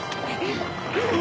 うわ！？